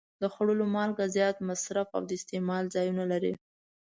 د خوړو مالګه زیات مصرف او د استعمال ځایونه لري.